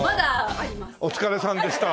お疲れさんでした。